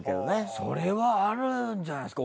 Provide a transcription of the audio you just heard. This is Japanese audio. それはあるんじゃないですか？